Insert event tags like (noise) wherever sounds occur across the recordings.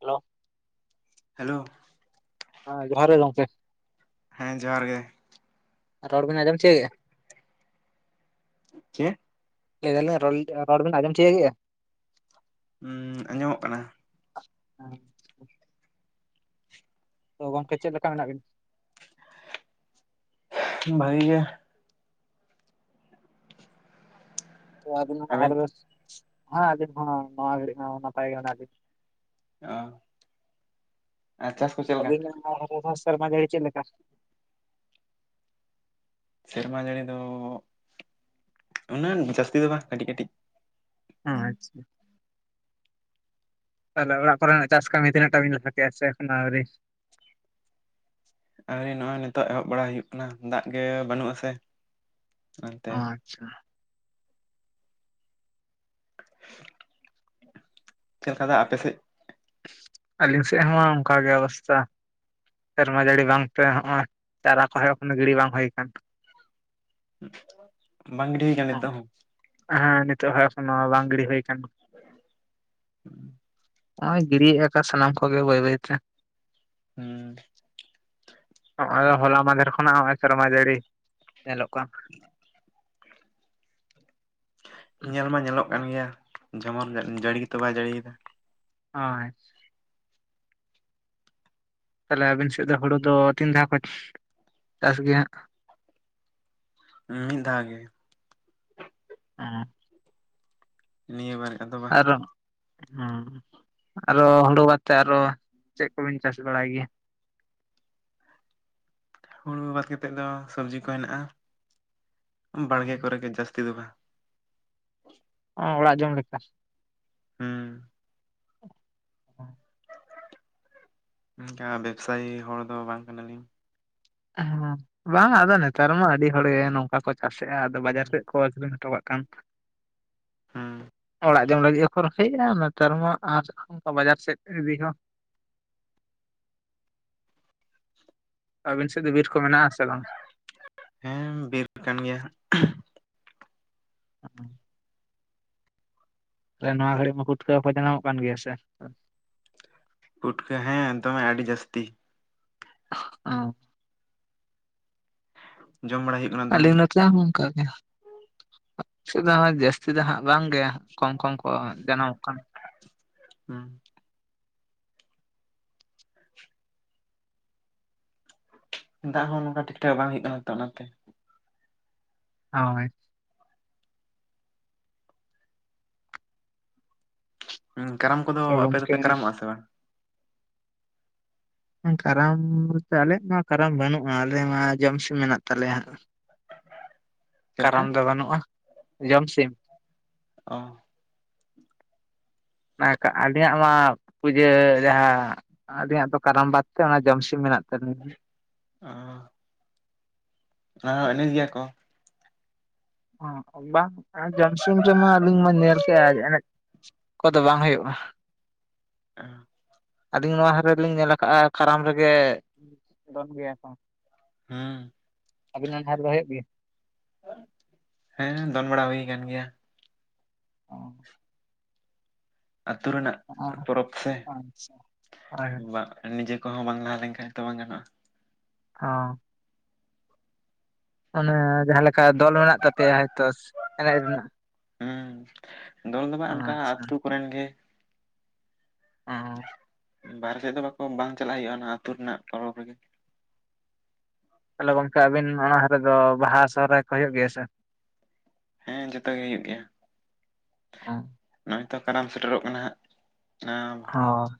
Hello hello ᱦᱮᱸ ᱡᱚᱦᱟᱸᱨ ᱜᱮ ᱜᱚᱢᱠᱮ ᱾ ᱦᱮᱸ ᱡᱚᱦᱟᱸᱨ ᱜᱮ ᱟᱨ ᱨᱚᱲ ᱵᱤᱱ ᱟᱸᱡᱚᱢ ᱪᱟᱹᱭ ᱮᱫᱟ᱾ ᱪᱮᱫ? ᱞᱟᱹᱭ ᱮᱟᱞᱤᱧ ᱨᱚᱲ ᱵᱤᱱ ᱟᱸᱡᱚᱢ ᱪᱤᱭᱟᱜᱮ-ᱟ? ᱩᱸᱻ ᱟᱸᱡᱚᱢᱚᱜ ᱠᱟᱱᱟ᱾ ᱦᱮᱸ᱾ ᱛᱚ ᱜᱚᱝᱠᱮ ᱪᱮᱫ ᱞᱮᱠᱟ ᱢᱮᱱᱟᱜ ᱵᱤᱱᱟ? ᱵᱷᱟᱹᱜᱮ ᱜᱮ᱾ ᱚ ᱟᱹᱵᱤᱱ ᱟᱵᱮᱱ ᱦᱮᱸ ᱟᱞᱤᱱ ᱦᱚᱸ ᱱᱚᱣᱟ ᱜᱷᱟᱲᱤᱡ ᱦᱚᱸ ᱱᱟᱯᱟᱭ ᱜᱮ ᱢᱮᱱᱟᱜ ᱞᱮᱧ ᱚ ᱟᱪᱪᱷᱟ᱾ ᱟᱵᱤᱱ (unintelligible) ᱢᱟ ᱥᱮᱨᱢᱟ ᱡᱟᱹᱲᱤ ᱪᱮᱫ ᱞᱮᱠᱟ? ᱥᱮᱨᱢᱟ ᱡᱟᱹᱲᱤ ᱫᱚ ᱩᱱᱟᱹᱜ ᱡᱟᱹᱥᱛᱤ ᱫᱚ ᱵᱟᱝ ᱠᱟᱹᱴᱤᱡ ᱠᱟᱹᱴᱤᱡ᱾ ᱦᱮᱸ ᱟᱪᱪᱷᱟ᱾ ᱛᱟᱦᱚᱞᱮ ᱚᱲᱟᱜ ᱠᱚᱨᱮᱱᱟᱜ ᱪᱟᱥ ᱠᱟᱹᱢᱤ ᱛᱤᱱᱟᱹᱜ ᱴᱟ ᱵᱤᱱ ᱞᱟᱦᱟ ᱠᱮᱭᱟ ᱥᱮ ᱟᱹᱣᱨᱤ? ᱟᱹᱣᱨᱤ ᱱᱚᱜᱼᱚᱭ ᱱᱤᱛᱚᱜ ᱮᱦᱚᱵ ᱵᱟᱲᱟᱭ ᱦᱩᱭᱩᱜ ᱠᱟᱱᱟ ᱫᱟᱜ ᱜᱮ ᱵᱟᱹᱱᱩᱜ ᱟᱥᱮ᱾ ᱚ ᱚᱱᱛᱮ ᱟᱪᱪᱷᱟ᱾ ᱪᱮᱫ ᱠᱟ ᱫᱟᱜ ᱟᱯᱮ ᱥᱮᱫ? ᱟᱹᱞᱤᱧ ᱥᱮᱫ ᱦᱚᱸ ᱚᱱᱠᱟᱜᱮ ᱚᱵᱚᱥᱛᱟ᱾ ᱥᱮᱨᱢᱟ ᱡᱟᱹᱲᱤ ᱵᱟᱝᱛᱮ ᱱᱚᱜᱼᱚᱭ ᱪᱟᱨᱟ ᱠᱚᱦᱚ ᱜᱤᱲᱤ ᱵᱟᱝ ᱦᱩᱭ ᱟᱠᱟᱱ᱾ ᱵᱟᱝ ᱜᱤᱰᱤ ᱦᱩᱭ ᱠᱟᱱᱟ ᱱᱤᱛᱚᱜ ᱦᱚᱸ? ᱦᱮᱸ ᱱᱤᱛᱚᱜ ᱦᱚ ᱮᱠᱷᱮᱱ ᱱᱚᱣᱟ ᱵᱟᱝ ᱜᱤᱰᱤ ᱦᱩᱭ ᱠᱟᱱ (inaudible) ᱱᱚᱜ ᱚᱭ ᱜᱤᱰᱤᱭᱮᱫ ᱟᱠᱚ ᱥᱟᱱᱟᱢ ᱠᱚᱜᱮ ᱵᱟᱹᱭ ᱵᱟᱹᱭᱛᱮ᱾ ᱦᱩᱸᱻ ᱱᱚᱜ ᱦᱚᱞᱟ ᱢᱟᱦᱫᱷᱮᱨ ᱠᱷᱚᱱᱟᱜ ᱱᱚᱜᱼᱚᱭ ᱥᱮᱨᱢᱟ ᱡᱟᱹᱲᱤ ᱧᱮᱞᱚᱜ ᱠᱟᱱ᱾ ᱧᱮᱞ ᱢᱟ ᱧᱮᱞᱚᱜ ᱠᱟᱱ ᱜᱮᱭᱟ ᱡᱮᱢᱚᱱ ᱡᱟᱹᱲᱤ ᱜᱮᱛᱚ ᱵᱟᱭ ᱡᱟᱹᱲᱤᱭ ᱫᱟ᱾ ᱚ ᱟᱡ ᱛᱟᱦᱞᱮ ᱟᱹᱵᱤᱱ ᱥᱮᱫ ᱫᱚ ᱦᱩᱲᱩ ᱫᱚ ᱛᱤᱱ ᱫᱷᱟᱣ ᱠᱚ ᱪᱟᱥ ᱜᱮ ᱦᱟᱸᱜ? ᱢᱤᱫ ᱫᱷᱟᱣ ᱜᱮ᱾ ᱚᱸ᱾ ᱱᱤᱭᱟᱹ ᱵᱟᱨᱮ ᱟᱫᱚ ᱵᱟᱝ᱾ ᱟᱨᱚ ᱦᱩᱸ ᱟᱨᱚ ᱦᱩᱲᱩ ᱵᱟᱛᱮ ᱟᱨᱚ ᱪᱮᱫ ᱠᱚᱵᱤᱱ ᱪᱟᱥ ᱵᱟᱲᱟᱭ ᱜᱮᱭᱟ? ᱦᱩᱲᱩ ᱵᱟᱫ ᱠᱟᱛᱮᱫ ᱫᱚ ᱥᱚᱵᱽᱡᱤ ᱠᱚ ᱦᱮᱱᱟᱜᱼᱟ, ᱵᱟᱲᱜᱮ ᱠᱚᱨᱮ ᱜᱮ ᱡᱟᱹᱥᱛᱤ ᱫᱚ ᱵᱟᱝ᱾ ᱚ ᱚᱲᱟᱜ ᱡᱚᱢ ᱞᱮᱠᱟ᱾ ᱦᱩᱸ᱾ ᱚᱸᱻ ᱚᱱᱠᱟ ᱵᱮᱵᱽᱥᱟᱭᱤ ᱦᱚᱲ ᱫᱚ ᱵᱟᱝ ᱠᱟᱱᱟᱞᱤᱧ᱾ ᱦᱮᱸ ᱵᱟᱝ ᱟᱫᱚ ᱱᱮᱛᱟᱨ ᱢᱟ ᱟᱹᱰᱤ ᱦᱚᱲᱜᱮ ᱱᱚᱝᱠᱟ ᱠᱚ ᱠᱟᱥᱮᱫ ᱦᱟᱸ ᱟᱫᱚ ᱵᱟᱡᱟᱨ ᱥᱮᱫ ᱠᱚ (inaudible) ᱦᱚᱴᱚ ᱠᱟᱜ ᱠᱦᱟᱱ ᱾ ᱦᱩᱸ᱾ ᱚᱲᱟᱜ ᱡᱚᱢ ᱞᱟᱹᱜᱤᱫ ᱦᱚᱸᱠᱚ ᱨᱚᱦᱚᱸᱭᱮᱫ-ᱟ ᱱᱮᱛᱟᱨ ᱢᱟ ᱟᱨ ᱵᱟᱡᱟᱨ ᱥᱮᱫ ᱤᱫᱤ ᱦᱚᱸ ᱚᱲᱟᱜ ᱟᱵᱤᱱ ᱥᱮᱫ ᱫᱚ ᱵᱤᱨ ᱠᱚ ᱢᱮᱱᱟᱜᱼᱟ ᱥᱮ ᱵᱟᱝ? ᱦᱮᱸ ᱵᱤᱨ ᱠᱟᱱ ᱜᱮᱭᱟ ᱦᱟᱸᱜ᱾ (inaudible) ᱨᱮᱱ ᱱᱚᱣᱟ ᱜᱷᱟᱹᱲᱤᱡ ᱢᱟ ᱯᱷᱩᱴᱠᱟᱹᱣ ᱠᱚ ᱡᱟᱱᱟᱢᱚᱜ ᱠᱟᱱ ᱜᱮᱭᱟ ᱥᱮ᱾ ᱯᱩᱴᱠᱟᱹ ᱦᱮᱸ ᱫᱚᱢᱮ ᱟᱹᱰᱤ ᱡᱟᱹᱥᱛᱤ ᱾ ᱚ᱾ ᱡᱚᱢ ᱵᱟᱲᱟ ᱦᱩᱭᱩᱜ ᱠᱟᱱᱟ ᱟᱞᱮ ᱫᱚᱢᱮ ᱱᱚᱛᱮ ᱦᱚᱸ ᱱᱚᱝᱠᱟ ᱜᱮᱭᱟ, ᱟᱞᱮ ᱥᱮᱫ ᱡᱟᱹᱥᱛᱤ ᱫᱚ ᱦᱟᱸᱜ ᱵᱟᱝ ᱜᱮ᱾ ᱠᱚᱢ ᱠᱚᱢ ᱠᱚ ᱡᱟᱱᱟᱢᱚᱜ ᱠᱟᱱᱟ᱾ ᱦᱩᱸ᱾ ᱫᱟᱜ ᱦᱚᱸ ᱱᱚᱝᱠᱟ ᱴᱷᱤᱠ ᱴᱷᱟᱠ ᱵᱟᱝ ᱦᱩᱭᱩᱜ ᱠᱟᱱᱟ ᱛᱚ ᱚᱱᱟᱛᱮ᱾ ᱚᱭ᱾ ᱦᱩᱸ ᱠᱟᱨᱟᱢ ᱠᱚᱫᱚ ᱥᱮ ᱟᱯᱮ ᱜᱚᱝᱠᱮ ᱫᱚᱯᱮ ᱠᱟᱨᱟᱢᱚᱜᱼᱟ ᱥᱮ ᱵᱟᱝ? ᱠᱟᱨᱟᱢ ᱵᱚᱞᱛᱮ ᱟᱞᱮᱭᱟᱜ ᱢᱟ ᱠᱟᱨᱟᱢ ᱵᱟᱹᱱᱩᱜᱼᱟ ᱟᱞᱮ ᱢᱟ ᱡᱚᱢ ᱥᱚᱢ ᱢᱮᱱᱟᱜ ᱛᱟᱞᱮᱭᱟ ᱦᱟᱸᱜ᱾ ᱪᱮᱫ ᱞᱮᱠᱟ ᱠᱟᱨᱟᱢ ᱫᱚ ᱵᱟᱹᱱᱩᱜᱼᱟ, ᱡᱚᱢ ᱥᱤᱢ ᱚ᱾ ᱚᱱᱟ ᱟᱞᱮᱭᱟᱜ ᱢᱟ ᱯᱩᱡᱟᱹ ᱡᱟᱦᱟᱸ ᱟᱞᱮᱭᱟᱜ ᱫᱚ ᱠᱟᱨᱟᱢ ᱵᱟᱫᱽ ᱛᱮ ᱚᱱᱟ ᱡᱚᱢ ᱥᱤᱢ ᱢᱮᱱᱟᱜ ᱛᱟᱹᱞᱤᱧᱟ᱾ ᱚᱸ ᱾ ᱟᱸ ᱮᱱᱮᱡ ᱜᱮᱭᱟ ᱠᱚ ᱾ ᱚ ᱵᱟᱝ ᱡᱚᱝ ᱥᱚᱢ ᱨᱮᱢᱟ ᱟᱹᱞᱤᱧ ᱢᱟ ᱧᱮᱞ ᱠᱮᱜᱼᱟ ᱮᱱᱮᱡ ᱠᱚᱫᱚ ᱵᱟᱝ ᱦᱩᱭᱩᱜᱼᱟ ᱟᱹᱞᱤᱧ ᱱᱚᱣᱟ ᱦᱟᱨᱮ ᱨᱮ ᱞᱤᱝ ᱠᱟᱜᱼᱟ ᱠᱟᱨᱟᱢ ᱨᱮᱜᱮ ᱫᱚᱱ ᱜᱮᱭᱟ ᱠᱚ᱾ ᱦᱩᱸ ᱟᱵᱤᱱᱟᱜ ᱜᱷᱟᱰ ᱨᱮ ᱦᱩᱭᱩᱜ ᱜᱮ? ᱦᱮᱸ ᱫᱚᱱ ᱵᱟᱲᱟ ᱦᱩᱭ ᱠᱟᱱ ᱜᱮᱭᱟ᱾ ᱚ᱾ ᱟᱹᱛᱩ ᱨᱮᱱᱟᱜ ᱯᱚᱨᱚᱵᱽ ᱥᱮ ᱟᱪᱪᱷᱟ ᱦᱳᱭ ᱦᱳᱭ ᱵᱟ ᱱᱤᱡᱮ ᱠᱚᱦᱚᱸ ᱵᱟᱝ ᱞᱟᱦᱟ ᱞᱮᱱᱠᱷᱟᱱ ᱛᱚ ᱵᱟᱝ ᱜᱟᱱᱚᱜᱼᱟ ᱚᱸ᱾ ᱛᱟᱞᱮ ᱡᱟᱦᱟᱸ ᱞᱟᱠᱟ ᱫᱚᱞ ᱢᱮᱱᱟᱜ ᱛᱟᱯᱮᱭᱟ ᱦᱚᱭᱛᱚ ᱮᱱᱮᱡ ᱨᱮᱱᱟᱜ ᱾ ᱦᱩᱸ ᱫᱚᱞ ᱫᱚ ᱦᱟᱸᱜ ᱚᱱᱠᱟ ᱟᱪᱪᱷᱟ ᱟᱹᱛᱩ ᱠᱚᱨᱮᱱ ᱜᱮ᱾ ᱚᱸ, ᱵᱟᱦᱨᱮ ᱥᱮᱫ ᱫᱚ ᱵᱟᱠᱚ ᱵᱟᱝ ᱪᱟᱞᱟᱜ ᱦᱩᱭᱩᱜᱼᱟ ᱚᱱᱟ ᱟᱹᱛᱩ ᱨᱮᱱᱟᱜ ᱯᱚᱨᱚᱵᱽ ᱨᱮᱜᱮ᱾ ᱛᱟᱦᱚᱞᱮ ᱜᱚᱝᱠᱮ ᱟᱵᱤᱱ ᱚᱱᱟ ᱦᱟᱨᱮ ᱫᱚ ᱵᱟᱦᱟ ᱥᱚᱦᱚᱨᱟᱭ ᱠᱚ ᱦᱩᱭᱩᱜ ᱜᱮᱭᱟ ᱥᱮ ᱵᱟᱝ? ᱦᱮᱸ ᱡᱚᱛᱚ ᱜᱮ ᱦᱩᱭᱩᱜ ᱜᱮᱭᱟ ᱚ ᱾ ᱱᱚᱜᱼᱚᱭ ᱛᱚ ᱠᱟᱨᱢ ᱥᱮᱴᱮᱨᱚᱜ ᱠᱟᱱᱟ ᱦᱟᱸᱜ᱾ ᱚ᱾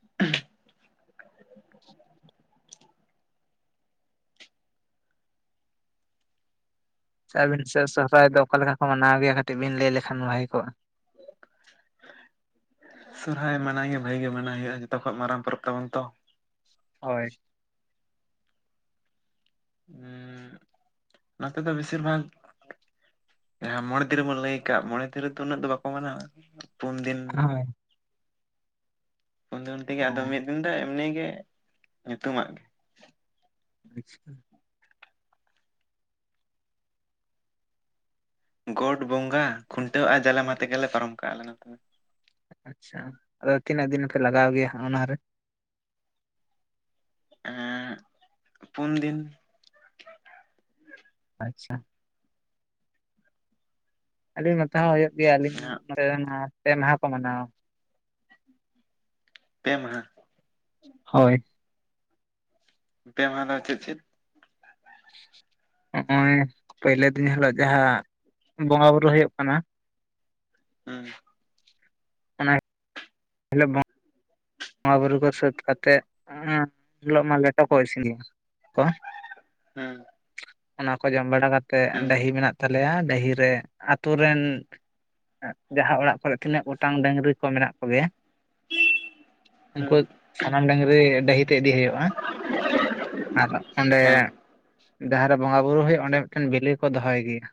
ᱥᱮ ᱟᱹᱵᱤᱱ ᱥᱮᱫ ᱥᱚᱦᱚᱨᱟᱭ ᱫᱚ ᱚᱠᱟ ᱞᱮᱠᱟ ᱠᱚ ᱢᱟᱱᱟᱣ ᱜᱮᱭᱟ ᱠᱟᱹᱴᱤᱡ ᱵᱤᱱ ᱞᱟᱹᱭ ᱞᱮᱠᱷᱟᱱ ᱵᱷᱟᱹᱜᱤ ᱠᱚᱜᱼᱟ? (unintelligible) ᱥᱚᱨᱦᱟᱭ ᱢᱟᱱᱟᱭ ᱜᱮ ᱵᱷᱟᱹᱜᱤ ᱜᱮ ᱢᱟᱱᱟᱭ ᱦᱩᱭᱩᱜᱼᱟ ᱡᱚᱛᱚ ᱠᱷᱚᱱ ᱢᱟᱨᱟᱝ ᱯᱚᱨᱚᱵᱽ ᱛᱟᱵᱚᱱ ᱛᱚ ᱾ ᱦᱳᱭ᱾ ᱩᱸᱜ ᱱᱚᱛᱮ ᱫᱚ ᱵᱮᱥᱤᱨ ᱵᱷᱟᱜ ᱦᱮᱸ ᱢᱚᱬᱮ ᱫᱤᱱ ᱨᱮ ᱵᱚᱱ ᱞᱟᱹᱭ ᱠᱟᱜ ᱢᱚᱬᱮ ᱫᱤᱱ ᱨᱮᱫᱚ ᱩᱱᱟᱹᱜ ᱫᱚ ᱵᱟᱠᱚ ᱢᱟᱱᱟᱜᱼᱟ, ᱯᱩᱱᱫᱤᱱ ᱦᱳᱭ ᱯᱩᱱ ᱫᱤᱱ ᱛᱮᱜᱮ ᱚ ᱟᱫᱚ ᱢᱤᱫ ᱫᱤᱱ ᱫᱚ ᱮᱢᱱᱤᱜ ᱜᱮ ᱧᱩᱛᱩᱢᱟᱜ ᱟᱪᱪᱷᱟ᱾ ᱜᱚᱴ ᱵᱚᱸᱜᱟ ᱠᱷᱩᱱᱴᱟᱹᱣ ᱟᱨ ᱡᱟᱞᱮ ᱢᱟ ᱛᱮᱜᱮᱞᱮ ᱯᱟᱨᱚᱢ ᱠᱟᱜᱼᱟᱞᱮ᱾ ᱟᱪᱪᱷ, ᱟᱫᱚ ᱛᱤᱱᱟᱹᱜ ᱫᱤᱱ ᱯᱮ ᱞᱟᱜᱟᱣ ᱜᱮᱭᱟ ᱚᱱᱟᱨᱮ? ᱮᱸᱜ ᱯᱩᱱᱫᱤᱱ ᱟᱪᱪᱷᱟ᱾ ᱟᱹᱞᱤᱧ ᱱᱚᱛᱮ ᱦᱚᱸ ᱦᱩᱭᱩᱜ ᱜᱮᱭᱟ, ᱟᱹᱞᱤᱧ ᱱᱚᱛᱮ ᱯᱮ ᱢᱟᱦᱟ ᱠᱚ ᱢᱟᱱᱟᱣᱟ᱾ ᱯᱮ ᱢᱟᱦᱟ? ᱦᱳᱭ᱾ ᱯᱮ ᱢᱟᱦᱟᱸ ᱫᱚ ᱪᱮᱫ ᱪᱮᱫ? ᱦᱚᱜᱼᱚᱭ ᱯᱳᱭᱞᱳ ᱫᱤᱱ ᱦᱤᱞᱳᱜ ᱡᱟᱦᱟᱸ ᱵᱚᱸᱜᱟ ᱵᱩᱨᱩ ᱦᱳᱭᱳᱜ ᱠᱟᱱᱟ᱾ ᱦᱩᱸ᱾ ᱚᱱᱟ ᱦᱮᱞᱳ ᱵᱚᱝ ᱵᱚᱸᱜᱟ ᱵᱩᱨᱩ ᱠᱚ ᱥᱟᱹᱛ ᱠᱟᱛᱮᱜ, ᱩᱱ ᱦᱤᱞᱳᱜ ᱢᱟ ᱞᱮᱴᱚ ᱠᱚ ᱤᱥᱤᱱ ᱦᱩᱭᱩᱜᱼᱟ᱾ ᱠᱚ ᱦᱮᱸ᱾ ᱚᱱᱟ ᱠᱚ ᱡᱚᱢ ᱵᱟᱲᱟ ᱠᱟᱛᱮᱜ ᱰᱟᱹᱦᱤ ᱢᱮᱱᱟᱜ ᱛᱟᱞᱮᱭᱟ ᱰᱟᱹᱦᱤᱨ ᱨᱮ ᱟᱛᱳ ᱨᱮᱱ ᱡᱟᱦᱟᱸ ᱚᱲᱟᱜ ᱠᱚᱨᱮ ᱛᱤᱱᱟᱹᱜ ᱜᱚᱴᱟᱝ ᱰᱟᱝᱨᱤ ᱠᱚ ᱢᱮᱱᱟᱜ ᱠᱚᱜᱮᱭᱟ ᱦᱩᱸ ᱩᱱᱠᱩ ᱥᱟᱱᱟᱢ ᱰᱟᱝᱨᱤ ᱰᱟᱹᱦᱤ ᱛᱮ ᱤᱫᱤ ᱦᱳᱭᱳᱜᱼᱟ ᱟᱨ ᱚᱸᱰᱮ ᱦᱮᱸ ᱡᱟᱦᱟᱸᱨᱮ ᱵᱚᱸᱜᱟ ᱵᱩᱨᱩ ᱦᱳᱭᱳᱜᱼᱟ ᱚᱸᱰᱮ ᱢᱤᱫᱴᱮᱱ ᱵᱮᱞᱮ ᱠᱚ ᱫᱚᱦᱚᱭ ᱜᱤᱭᱟ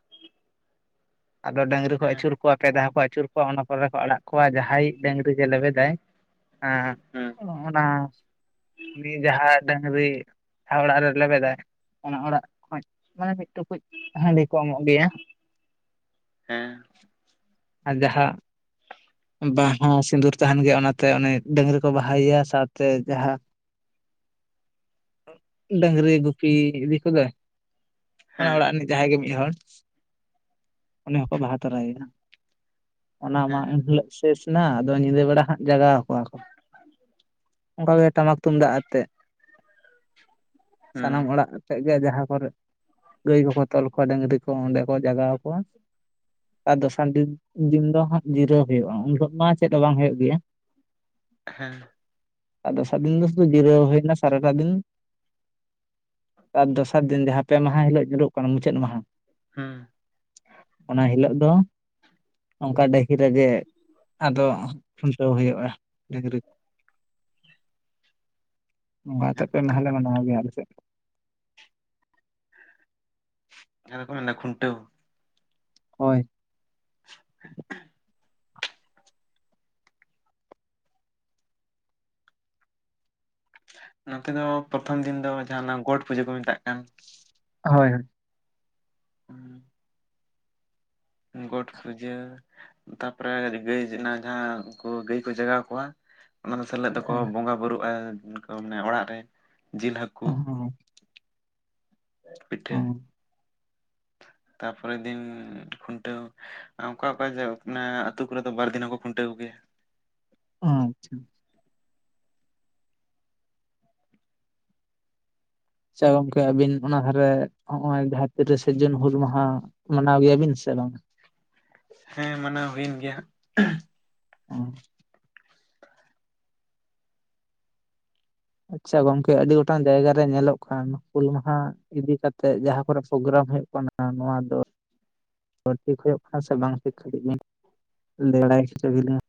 ᱟᱫᱚ ᱰᱟᱹᱝᱨᱤ ᱠᱚ ᱦᱮᱸ ᱟᱹᱪᱩᱨ ᱠᱚᱣᱟ ᱯᱮ ᱫᱷᱟᱣ ᱠᱚ ᱟᱹᱪᱩᱨ ᱠᱚᱣᱟ ᱚᱱᱟ ᱯᱚᱨᱮ ᱠᱚ ᱟᱲᱟᱜ ᱠᱚᱣᱟ ᱡᱟᱦᱟᱸᱭ ᱰᱟᱹᱝᱨᱤ ᱜᱮ ᱞᱮᱵᱮᱫᱟᱭ ᱦᱩᱸ ᱦᱮᱸ ᱚᱱᱟ ᱩᱱᱤ ᱡᱟᱦᱟᱸ ᱰᱟᱝᱨᱤ ᱡᱟᱦᱟᱸ ᱚᱲᱟᱜ ᱨᱮ ᱞᱮᱵᱮᱫᱟᱭ ᱚᱱᱟ ᱚᱲᱟᱜ ᱠᱷᱚᱡ ᱢᱟᱱᱮ ᱢᱤᱫ ᱴᱩᱠᱩᱡ ᱦᱟᱺᱰᱤ ᱠᱚ ᱮᱢᱚᱜ ᱜᱤᱭᱟ (inaudible) ᱦᱮᱸ ᱟ ᱡᱟᱦᱟᱸ ᱵᱟᱝᱦᱚ ᱥᱤᱸᱫᱩᱨ ᱛᱟᱦᱮᱱ ᱜᱤᱭᱟ ᱚᱱᱟᱛᱮ ᱩᱱᱤ ᱰᱟᱹᱝᱨᱤ ᱠᱚ ᱵᱟᱦᱟᱭᱟ ᱥᱟᱶᱛᱮ ᱡᱟᱦᱟᱸ (inaudible) ᱰᱟᱝᱨᱤ ᱜᱩᱯᱤ ᱤᱫᱤ ᱠᱚᱫᱚᱭ ᱚᱱᱟ ᱦᱮᱸ ᱚᱲᱟᱜ ᱨᱤᱱᱤᱡ ᱡᱟᱦᱟᱸᱭ ᱜᱮ ᱢᱤᱫ ᱦᱚᱲ ᱩᱱᱤ ᱦᱚᱸᱠᱚ ᱵᱟᱦᱟ ᱛᱚᱨᱟᱭ ᱭᱟ ᱚᱱᱟ ᱢᱟ ᱦᱮᱸ ᱤᱱᱦᱤᱞᱳᱜ ᱥᱮᱥ ᱱᱟ ᱟᱫᱚ ᱧᱤᱫᱟᱹ ᱵᱮᱲᱟ ᱦᱟᱸᱜ ᱡᱟᱜᱟᱣ ᱠᱚᱣᱟ ᱠᱚ ᱚᱝᱠᱟᱜᱮ ᱴᱟᱢᱟᱠ ᱛᱩᱢᱫᱟᱜ ᱟᱛᱮᱜ ᱦᱩᱸ ᱥᱟᱱᱟᱢ ᱚᱲᱟᱜ ᱴᱷᱮᱜ ᱜᱮ ᱡᱟᱦᱟᱸ ᱠᱚᱨᱮ ᱜᱟᱹᱭ ᱠᱚᱠᱚ ᱛᱚᱞ ᱠᱚᱣᱟ ᱰᱟᱹᱝᱨᱤ ᱠᱚ ᱚᱸᱰᱮ ᱠᱚ ᱡᱟᱜᱟᱣ ᱠᱚᱣᱟ ᱟᱨ ᱫᱚᱥᱟᱨ ᱰᱤᱱ ᱫᱤᱱ ᱫᱚ ᱦᱟᱸᱜ ᱡᱤᱨᱟᱹᱣ ᱦᱩᱭᱩᱜᱼᱟ ᱩᱱᱦᱤᱞᱳᱜ ᱢᱟ ᱪᱮᱜ ᱦᱚ ᱵᱟᱝ ᱦᱳᱭᱳᱜ ᱜᱤᱭᱟ ᱦᱮᱸ ᱟᱨ ᱫᱚᱥᱟᱨᱫᱤᱱ ᱫᱚ ᱥᱩᱫᱷᱩ ᱡᱤᱨᱟᱹᱣ ᱦᱳᱭᱱᱟ ᱥᱟᱨᱟ ᱴᱟ ᱫᱤᱱ ᱟᱨ ᱫᱚᱥᱟᱨ ᱫᱤᱱ ᱡᱟᱦᱟᱸ ᱯᱮ ᱢᱟᱦᱟ ᱦᱤᱞᱳᱜ ᱧᱩᱨᱚᱜ ᱠᱟᱱᱟ ᱢᱩᱪᱟᱹᱫ ᱢᱟᱦᱟᱸ ᱦᱩᱸ ᱚᱱᱟ ᱦᱤᱞᱳᱜ ᱫᱚ ᱚᱝᱠᱟ ᱰᱟᱹᱦᱤ ᱨᱮᱜᱮ ᱟᱫᱚ ᱠᱷᱩᱱᱴᱟᱹᱣ ᱦᱳᱭᱳᱜᱼᱟ ᱰᱟᱝᱨᱤ ᱚᱱᱟ ᱛᱮ ᱡᱟᱦᱟᱸ ᱫᱚᱠᱚ ᱯᱮ ᱢᱮᱛᱟᱜ ᱢᱟᱦᱞᱮ ᱠᱟᱱ ᱢᱟᱱᱟᱣ ᱜᱤᱭᱟ ᱟᱞᱮ ᱥᱮᱜ (inaudible) ᱟᱫᱚ ᱠᱚ ᱢᱮᱱᱟ ᱠᱷᱩᱱᱴᱟᱹᱣ ᱦᱳᱭ (inaudible) ᱱᱚᱛᱮ ᱫᱚ ᱯᱚᱛᱷᱚᱢ ᱫᱤᱱ ᱫᱚ ᱡᱟᱦᱟᱸ ᱚᱱᱟ ᱜᱚᱴ ᱯᱩᱡᱟᱹ ᱠᱚ ᱢᱮᱛᱟᱜ ᱠᱟᱱ ᱦᱳᱭ ᱦᱳᱭ ᱦᱩᱸ ᱜᱚᱴ ᱯᱩᱡᱟᱹ ᱛᱟᱯᱚᱨᱮ ᱜᱟᱹᱭ ᱚᱱᱟ ᱡᱟᱦᱟᱸ ᱠᱩ ᱜᱟᱹᱭ ᱠᱚ ᱡᱟᱜᱟᱣ ᱠᱚᱣᱟ ᱚᱱᱟ ᱥᱮᱞᱮᱫᱟ ᱠᱚ ᱦᱳᱭ ᱵᱚᱸᱜᱟ ᱵᱩᱨᱩᱜ ᱟᱭ ᱟᱢᱱᱮ ᱚᱲᱟᱜ ᱨᱮ ᱡᱤᱞ ᱦᱟᱹᱠᱩ ᱦᱚᱸ (inaudible) ᱯᱤᱴᱷᱟᱹ ᱦᱚᱸ ᱛᱟᱯᱚᱨᱮᱨ ᱫᱤᱱ ᱠᱷᱩᱱᱴᱟᱹᱣ ᱚᱠᱟ ᱚᱠᱟ ᱡᱟᱣ ᱟᱢᱱᱮ ᱟᱹᱛᱩ ᱠᱚᱨᱮ ᱫᱚ ᱵᱟᱨ ᱫᱤᱱ ᱦᱚᱸ ᱠᱷᱩᱱᱴᱟᱹᱣ ᱜᱤᱭᱟ ᱚ ᱟᱪᱪᱷᱟ ᱥᱮ ᱜᱚᱢᱠᱮ ᱟᱵᱤᱱ ᱚᱱᱟ ᱫᱷᱟᱨᱮ ᱱᱚᱜᱼᱚᱭ ᱡᱟᱦᱟᱸ ᱛᱤᱨᱤᱥᱮ ᱡᱩᱱ ᱦᱩᱞ ᱢᱟᱦᱟ᱾ ᱢᱟᱱᱟᱣ ᱜᱮᱭᱟᱵᱤᱱ ᱥᱮ ᱵᱟᱝ? ᱦᱮᱸ ᱢᱟᱱᱟᱣ ᱦᱩᱭᱮᱱ ᱜᱮᱭᱟ᱾ ᱚᱻ ᱟᱪᱪᱷᱟ ᱜᱚᱝᱠᱮ ᱟᱹᱰᱤ ᱜᱚᱴᱟᱝ ᱡᱟᱭᱜᱟ ᱨᱮ ᱧᱮᱞᱚᱜ ᱠᱟᱱ ᱦᱩᱞ ᱢᱟᱦᱟ ᱤᱫᱤ ᱠᱟᱛᱮᱫ ᱡᱟᱦᱟᱸ ᱠᱚᱨᱮ ᱯᱨᱳᱜᱨᱟᱢ ᱦᱩᱭᱩᱜ ᱠᱟᱱᱟ᱾ ᱠᱟᱱᱟ ᱱᱚᱣᱟ ᱫᱚ ᱴᱷᱤᱠ ᱦᱩᱭᱩᱜ ᱠᱟᱱᱟ ᱥᱮ ᱵᱟᱝ ᱴᱷᱤᱠ ᱠᱟᱹᱴᱤᱡ ᱵᱤᱱ ᱞᱟᱹᱭ ᱵᱟᱲᱟᱭ ᱦᱚᱪᱚ ᱠᱤᱞᱤᱧᱟ᱾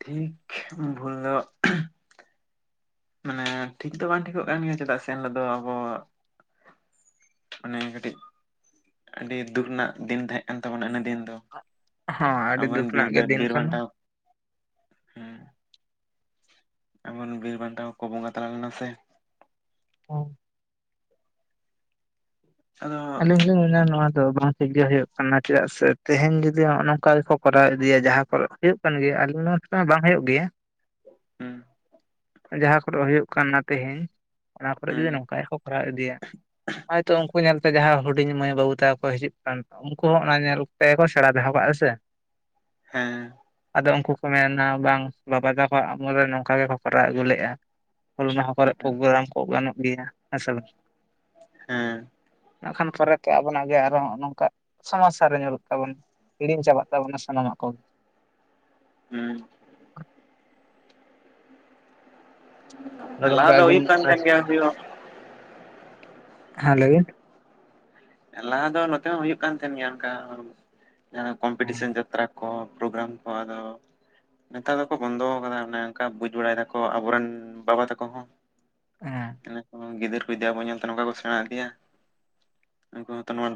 ᱴᱷᱤᱠ ᱵᱷᱩᱞ ᱫᱚ᱾ ᱢᱟᱱᱮ ᱴᱷᱤᱠ ᱫᱚ ᱵᱟᱝ ᱴᱷᱤᱠᱚᱜ ᱠᱟᱱ ᱜᱮᱭᱟ ᱪᱮᱫᱟᱜ ᱥᱮ ᱮᱱᱞᱚᱜ ᱫᱚ ᱟᱵᱚ᱾ ᱚᱱᱮ ᱠᱟᱹᱴᱤᱡ ᱟᱹᱰᱤ ᱫᱩᱠ ᱨᱮᱱᱟᱜ ᱫᱤᱱ ᱛᱟᱦᱮᱸ ᱠᱟᱱ ᱛᱟᱵᱚᱱᱟ ᱤᱱᱟᱹ ᱫᱤᱱ ᱫᱚ᱾ ᱦᱚᱸ ᱟᱹᱰᱤ ᱟᱵᱚᱨᱮᱱ ᱫᱩᱠ ᱨᱮᱱᱟᱜ ᱜᱮ ᱫᱤᱱ ᱵᱤᱨ ᱠᱟᱱᱟ ᱵᱟᱱᱴᱟ ᱦᱮᱸ ᱮᱢᱚᱱ ᱵᱤᱨ ᱵᱟᱱᱴᱟ ᱠᱚ ᱵᱚᱸᱜᱟ ᱛᱟᱞ ᱞᱮᱱᱟ ᱥᱮ᱾ ᱚᱻ ᱟᱸᱻ ᱤᱧ ᱢᱮᱱᱟ ᱱᱚᱣᱟ ᱫᱚ ᱵᱟᱝ ᱴᱷᱤᱠ ᱜᱮ ᱦᱩᱭᱩᱜ ᱠᱟᱱᱟ᱾ᱪᱮᱫᱟᱜ ᱥᱮ ᱛᱮᱦᱮᱧ ᱡᱩᱫᱤ ᱱᱚᱜᱼᱚ ᱱᱚᱝᱠᱟ ᱜᱮᱠᱚ ᱠᱚᱨᱟᱣ ᱤᱫᱤᱭᱟ ᱡᱟᱦᱟᱸ ᱠᱚᱨᱮ ᱦᱩᱭᱩᱜ᱾ ᱠᱟᱱ ᱜᱮᱭᱟ, ᱟᱞᱮ ᱱᱚᱣᱟ ᱠᱚᱨᱮ ᱢᱟ ᱵᱟᱝ ᱦᱩᱭᱩᱜ ᱜᱮᱭᱟ‌᱾ ᱦᱩᱸ ᱡᱟᱦᱟᱸ ᱠᱚᱨᱮ ᱦᱩᱭᱩᱜ ᱠᱟᱱᱟ ᱛᱮᱦᱤᱧ, ᱚᱱᱟ ᱠᱚᱨᱮ ᱦᱩᱸ ᱡᱩᱫᱤ ᱱᱚᱝᱠᱟ ᱜᱮᱠᱚ ᱠᱚᱨᱟᱣ ᱤᱫᱤᱭᱟ᱾ ᱦᱚᱭᱛᱚ ᱩᱱᱠᱩ ᱧᱮᱞ ᱡᱟᱦᱟᱸ ᱦᱩᱰᱤᱧ ᱢᱟᱹᱭ ᱵᱟᱹᱵᱩ ᱛᱟᱠᱚ ᱠᱚ ᱦᱤᱡᱩᱜ ᱠᱟᱱ, ᱩᱱᱠᱩ ᱦᱚᱸ ᱚᱱᱟ ᱧᱮᱞ ᱛᱮᱠᱚ ᱥᱮᱬᱟ ᱫᱚᱦᱚ ᱠᱟᱜᱼᱟ ᱥᱮ᱾ ᱻ ᱦᱮᱸ ᱟᱫᱚ ᱩᱱᱠᱩ ᱠᱚ ᱢᱮᱱᱟ ᱵᱟᱝ ᱵᱟᱵᱟ ᱛᱟᱠᱚᱣᱟᱜ ᱟᱢᱚᱞ ᱨᱮ ᱱᱚᱝᱠᱟ ᱜᱮᱠᱚ ᱠᱚᱨᱟᱣ ᱟᱹᱜᱩ ᱞᱮᱜᱼᱟ᱾ ᱦᱩᱞ ᱢᱟᱦᱟ ᱠᱚᱨᱮ ᱯᱨᱳᱜᱨᱟᱢ ᱠᱚ ᱜᱟᱱᱚᱜ ᱜᱮᱭᱟ᱾ ᱦᱮᱸᱥᱮ ᱵᱟᱝ? ᱦᱮᱸ ᱱᱟᱜ ᱠᱷᱟᱱ ᱯᱚᱨᱮᱛᱮ ᱟᱵᱚᱱᱟᱜ ᱜᱮ ᱟᱨᱦᱚᱸ ᱱᱚᱝᱠᱟ ᱥᱚᱢᱚᱥᱥᱟ ᱨᱮ ᱧᱩᱨᱩᱜ ᱛᱟᱵᱚᱱᱟ᱾ ᱦᱤᱲᱤᱧ ᱪᱟᱵᱟᱜ ᱛᱟᱵᱚᱱᱟ ᱥᱟᱱᱟᱢᱟᱜ ᱠᱚ᱾ ᱦᱮᱸ ᱟᱫᱚ ᱜᱚᱝᱠᱮ ᱞᱟᱦᱟ ᱫᱚ ᱟᱹᱵᱤᱱ ᱦᱩᱭᱩᱜ ᱠᱟᱱ ᱛᱟᱦᱮᱸ ᱜᱮᱭᱟ ᱦᱩᱭᱦᱚᱸ᱾ ᱦᱮᱸ ᱞᱟᱹᱭ ᱵᱤᱱ? ᱞᱟᱦᱟ ᱫᱚ ᱱᱚᱛᱮ ᱦᱚᱸ ᱦᱩᱭᱩᱜ ᱠᱟᱱ ᱛᱟᱦᱮᱸᱱ ᱜᱮᱭᱟ ᱚᱱᱠᱟ ᱠᱚᱢᱯᱤᱴᱤᱥᱮᱱ ᱡᱟᱛᱨᱟ᱾ ᱠᱚ ᱯᱨᱳᱜᱨᱟᱢ ᱠᱚ ᱟᱫᱚ ᱱᱮᱛᱟᱨ ᱫᱚᱠᱚ ᱵᱚᱱᱫᱚ ᱟᱠᱟᱫᱟ᱾ ᱚᱱᱮ ᱚᱱᱠᱟ ᱵᱩᱡ ᱵᱟᱲᱟᱭ ᱫᱟᱠᱚ ᱟᱵᱚᱨᱮᱱ ᱵᱟᱵᱟ ᱛᱟᱠᱚ ᱦᱚᱸ᱾ ᱛᱟᱦᱚᱞᱮ‌ ᱠᱚ ᱜᱤᱫᱟᱹᱨ ᱵᱤᱫᱟᱹᱨ ᱠᱚ ᱟᱵᱚᱱ ᱧᱮᱞᱛᱮ ᱱᱚᱝᱠᱟ ᱠᱚ ᱥᱮᱬᱟ ᱤᱫᱤᱭᱟ᱾ ᱩᱱᱠᱩ ᱦᱚᱸᱛᱚ ᱱᱚᱣᱟ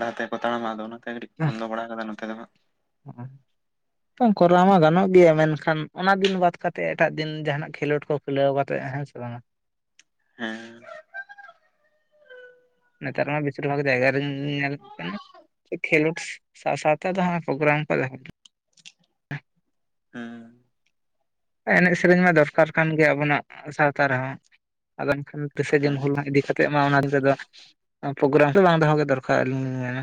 ᱰᱟᱦᱟᱨ ᱛᱮ ᱠᱚ ᱛᱟᱲᱟᱢᱟ᱾ ᱚᱱᱟᱛᱮ ᱠᱟᱹᱴᱤᱡ ᱠᱚ ᱵᱚᱱᱫᱚ ᱵᱟᱲᱟ ᱠᱟᱫᱟ ᱱᱚᱛᱮ ᱫᱚ ᱦᱟᱜ᱾ ᱦᱟᱜ ᱚ ᱠᱚᱨᱟᱣ ᱢᱟ ᱜᱟᱱᱚᱜ ᱜᱮᱭᱟ ᱢᱮᱱᱠᱷᱟᱱ ᱚᱱᱟ ᱫᱤᱱ ᱵᱟᱫ ᱠᱟᱛᱮᱫ ᱮᱴᱟᱜ ᱫᱤᱱ ᱡᱟᱦᱱᱟᱜ ᱠᱷᱮᱞᱳᱰ ᱠᱚ᱾ ᱠᱷᱩᱞᱟᱹᱣ ᱠᱟᱛᱮᱫ ᱦᱮᱸ ᱥᱮ ᱵᱟᱝ᱾ ᱦᱮᱸ ᱱᱮᱛᱟᱨ ᱢᱟ ᱵᱮᱥᱤᱨ ᱵᱷᱟᱜᱽ ᱡᱟᱭᱜᱟ ᱨᱤᱧ ᱧᱮᱞ ᱠᱟᱱᱟ᱾ ᱠᱷᱮᱞᱳᱰ ᱥᱟᱶ ᱥᱟᱶ ᱛᱮᱫᱚ ᱦᱟᱜ ᱯᱨᱳᱜᱨᱟᱢ ᱠᱚ ᱦᱮᱸ ᱮᱱᱮᱡ ᱥᱮᱨᱮᱧ ᱢᱟ ᱫᱚᱨᱠᱟᱨ ᱠᱟᱱ ᱜᱮᱭᱟ ᱟᱵᱚᱱᱟᱜ ᱥᱟᱶᱛᱟ ᱨᱮᱦᱚᱸ᱾ ᱟᱫᱚ ᱮᱱᱠᱷᱟᱱ ᱛᱨᱤᱥᱥᱮ ᱦᱮᱸ ᱡᱩᱱ ᱦᱩᱞ ᱢᱟᱦᱟ ᱤᱫᱤ ᱠᱟᱛᱮᱫ ᱢᱟ ᱚᱱᱟ ᱧᱤᱫᱟᱹ ᱫᱚ ᱯᱨᱳᱜᱨᱟᱢ ᱫᱚ ᱵᱟᱝ ᱫᱚᱦᱚ ᱜᱮ ᱫᱚᱨᱠᱟᱨ ᱟᱹᱞᱤᱧ ᱞᱤᱧ ᱢᱮᱱᱟ᱾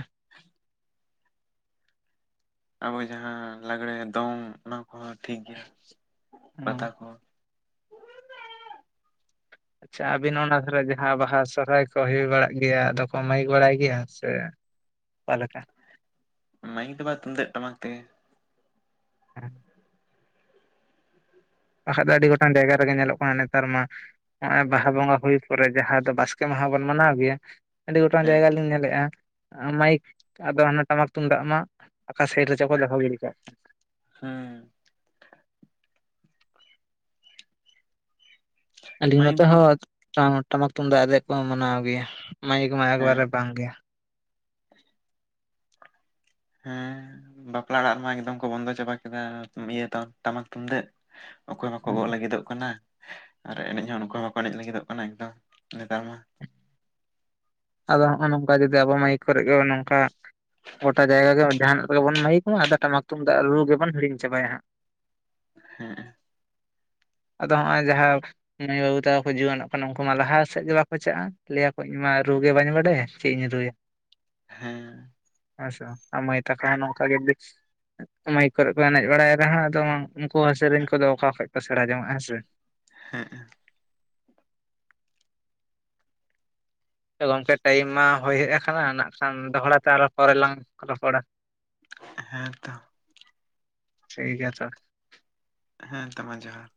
ᱟᱵᱚ ᱡᱟᱦᱟᱸ ᱞᱟᱜᱽᱲᱮ ᱫᱚᱝ ᱚᱱᱟ ᱠᱚᱦᱚᱸ ᱴᱷᱤᱠ ᱜᱮᱭᱟ ᱦᱚᱸ ᱯᱟᱛᱟ ᱠᱚ᱾ ᱟᱪᱪᱷᱟ ᱟᱹᱵᱤᱱ ᱚᱱᱟ ᱡᱟᱦᱟᱸ ᱵᱟᱦᱟ ᱥᱚᱦᱨᱟᱭ ᱠᱚ ᱦᱩᱭ ᱵᱟᱲᱟᱜ ᱜᱮᱭᱟ ᱟᱫᱚ ᱠᱚ ᱢᱟᱹᱭᱤᱠ ᱵᱟᱲᱟᱭ ᱜᱮᱭᱟ ᱥᱮ᱾ ᱚᱠᱟ ᱞᱮᱠᱟ? ᱢᱟᱭᱤᱠ ᱫᱚ ᱵᱟᱝ ᱛᱩᱢᱫᱟᱜ ᱴᱟᱢᱟᱠ ᱛᱮᱜᱮ᱾ ᱦᱮᱸ ᱵᱟᱦᱟ ᱫᱚ ᱟᱹᱰᱤ ᱜᱚᱴᱟᱝ ᱡᱟᱭᱜᱟ ᱨᱮᱜᱮ ᱧᱮᱞᱚᱜ ᱠᱟᱱᱟ ᱱᱮᱛᱟᱨ ᱢᱟ᱾ ᱱᱚᱜᱚᱭ ᱵᱟᱦᱟ ᱵᱚᱝᱜᱟ ᱦᱩᱭ ᱯᱚᱨᱮ ᱡᱟᱦᱟ ᱫᱚ ᱵᱟᱥᱠᱮ ᱢᱟᱦᱟ ᱵᱚᱱ ᱢᱟᱱᱟᱣ ᱜᱮᱭᱟ᱾ ᱟᱹᱰᱤ ᱜᱚᱴᱟᱝ ᱦᱮᱸ ᱡᱟᱭᱜᱟ ᱧᱮᱞᱮᱜᱼᱟ ᱢᱟᱭᱤᱠ ᱟᱫᱚ ᱦᱟᱱᱮᱴᱟᱢᱟᱠ ᱛᱩᱢᱫᱟᱜ ᱢᱟ ᱚᱠᱟ ᱥᱟᱭᱤᱴ ᱨᱮ ᱪᱚ ᱠᱚ ᱫᱚᱦᱚ ᱜᱤᱰᱤ ᱠᱟᱜ ᱦᱮᱸ ᱟᱹᱞᱤᱧ ᱢᱟᱭᱤᱠ ᱱᱚᱛᱮ ᱠᱚ ᱦᱚᱸ ᱴᱟᱢᱟᱠ ᱛᱩᱢᱫᱟᱜ ᱨᱮ ᱠᱚ ᱢᱟᱱᱟᱣ ᱜᱮᱭᱟ, ᱢᱟᱭᱤᱠ ᱢᱟ ᱦᱮᱸ ᱮᱠᱵᱟᱨᱮ ᱵᱟᱝ ᱜᱮᱭᱟ᱾ ᱦᱮᱸ ᱵᱟᱯᱞᱟ ᱚᱲᱟᱜ ᱨᱮᱢᱟ ᱮᱠᱫᱚᱢ ᱠᱚ ᱵᱚᱱᱫᱚ ᱪᱟᱵᱟ ᱠᱮᱫᱟ ᱤᱭᱟᱹ ᱴᱟᱢᱟᱠ ᱛᱩᱢᱫᱟᱹᱜ ᱚᱠᱚᱭ ᱵᱟᱠᱚ ᱜᱚᱜ ᱞᱟᱹᱜᱤᱫᱚᱜ ᱠᱟᱱᱟ ᱟᱨ ᱮᱱᱮᱡ ᱦᱚᱸ ᱱᱚᱝᱠᱟ ᱢᱟᱠᱚ ᱮᱱᱮᱡ ᱞᱟᱹᱜᱤᱫᱚᱜ ᱠᱟᱱᱟ ᱮᱠᱫᱚᱢ ᱱᱮᱛᱟᱨ ᱢᱟ᱾ ᱟᱫᱚ ᱦᱚᱸᱜᱼᱚᱭ ᱱᱚᱝᱠᱟ ᱡᱩᱫᱤ ᱟᱵᱚ ᱢᱟᱭᱤᱠ ᱠᱚᱨᱮ ᱜᱮ ᱱᱚᱝᱠᱟ ᱜᱚᱴᱟ ᱡᱟᱭᱜᱟ ᱜᱮ ᱡᱟᱦᱟᱱᱟᱜ ᱜᱮᱵᱚᱱ ᱢᱟᱹᱭᱤᱠ ᱢᱟ ᱟᱫᱚ ᱴᱟᱢᱟᱠ ᱛᱩᱢᱫᱟᱹᱜ ᱨᱩ ᱜᱮᱵᱚᱱ ᱦᱤᱲᱤᱧ ᱪᱟᱵᱟᱭᱟ ᱦᱟᱸᱜ᱾ ᱦᱮᱸ ᱟᱫᱚ ᱦᱚᱸᱜᱼᱚᱭ ᱡᱟᱦᱟᱸ ᱢᱟᱹᱭ ᱵᱟᱹᱵᱩ ᱛᱟᱠᱚ ᱠᱚ ᱡᱩᱭᱟᱹᱱᱚᱜ ᱠᱟᱱᱟ᱾ ᱩᱱᱠᱩ ᱢᱟ ᱞᱟᱦᱟ ᱥᱮᱫ ᱜᱮ ᱵᱟᱠᱚ ᱪᱟᱜᱼᱟ ᱞᱟᱹᱭᱟ ᱠᱚ ᱤᱧ ᱢᱟ ᱨᱩ ᱜᱮ ᱵᱟᱹᱧ ᱵᱟᱰᱟᱭᱟ᱾ ᱪᱮᱫ ᱤᱧ ᱨᱩᱭᱟ? ᱦᱮᱸ ᱦᱮᱸ ᱥᱮ ᱵᱟᱝ ᱟᱨ ᱢᱟᱹᱭ ᱛᱟᱠᱚ ᱦᱚᱸ ᱱᱚᱝᱠᱟ ᱜᱮ ᱡᱩᱫᱤ ᱢᱟᱭᱤᱠ ᱠᱚᱨᱮ ᱠᱚ ᱮᱱᱮᱡ ᱵᱟᱲᱟᱭ ᱨᱮᱦᱚᱸ ᱟᱫᱚ ᱩᱱᱠᱩ ᱥᱮᱨᱮᱧ ᱠᱚᱫᱚ ᱚᱠᱟ ᱠᱷᱚᱡ ᱠᱚ ᱥᱮᱬᱟ ᱡᱚᱝᱚᱜᱼᱟ ᱦᱮᱸ ᱥᱮ ᱦᱮᱸ ᱜᱚᱝᱠᱮ ᱴᱟᱭᱤᱢ ᱢᱟ ᱦᱩᱭ ᱦᱮᱡ ᱟᱠᱟᱱᱟ ᱱᱟᱜ ᱠᱷᱟᱱ ᱫᱚᱦᱚᱲᱟ ᱛᱮ ᱟᱨᱚ ᱯᱚᱨᱮ ᱞᱟᱝ ᱨᱚᱯᱚᱲᱟ᱾ ᱦᱮᱸᱛᱚ ᱴᱷᱤᱠ ᱜᱮᱭᱟ ᱛᱚ᱾ ᱦᱮᱸ ᱛᱚ ᱢᱟ ᱡᱚᱦᱟᱨ